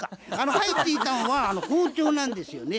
入っていたんは包丁なんですよね。